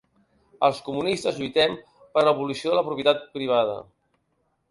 Els comunistes lluitem per l'abolició de la propietat privada.